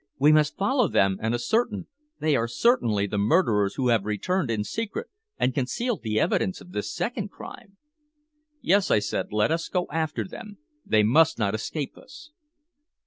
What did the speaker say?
"We must follow them and ascertain. They are certainly the murderers who have returned in secret and concealed the evidence of this second crime." "Yes," I said. "Let us go after them. They must not escape us."